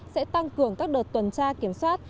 sẽ tăng cường các đợt tuần tra kiểm soát